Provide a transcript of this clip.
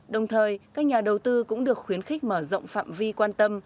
đồng thời các nhà đầu tư cũng được khuyến khích mở rộng phạm vi quan tâm